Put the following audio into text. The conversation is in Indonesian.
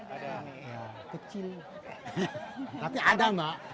ada yang kecil tapi ada mbak